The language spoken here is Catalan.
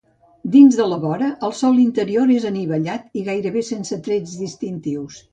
Dins de la vora, el sòl interior és anivellat i gairebé sense trets distintius.